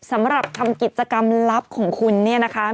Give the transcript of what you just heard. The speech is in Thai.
สำหรับทำกิจกรรมลับของคุณเนี่ยนะคะ